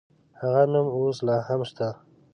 هغه نوم اوس لا هم شته.